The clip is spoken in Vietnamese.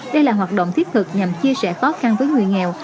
đây là hoạt động thiết thực nhằm chia sẻ khó khăn với người nghèo